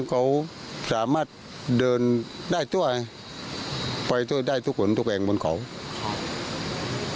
ก็ความชำนาญเขาสามารถเดินได้ตั้วไปตั้วได้ทุกคนทุกเองบนเขา